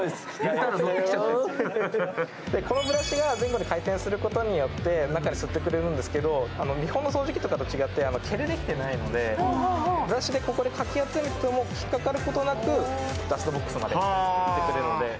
このブラシが前後に回転することによって吸ってくれるんですけど、日本の掃除機と違って毛でできてないので、引っかかることなくダストボックスに入れてくれるので。